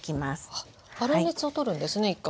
あっ粗熱を取るんですね一回。